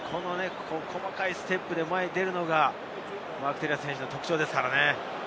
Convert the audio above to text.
細かいステップで前に出るのがマーク・テレア選手の特徴ですからね。